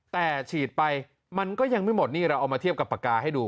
แต่ฉีดไปมันก็ยังไม่หมดนี่เราเอามาเทียบกับปากกาให้ดู